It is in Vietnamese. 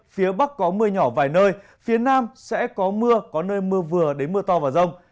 phía bắc có mưa nhỏ vài nơi phía nam sẽ có mưa có nơi mưa vừa đến mưa to và rông